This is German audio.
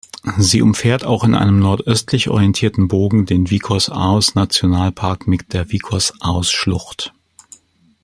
Sie umfährt auch in einem nordöstlich orientierten Bogen den Vikos-Aoos-Nationalpark mit der Vikos-Aoos-Schlucht.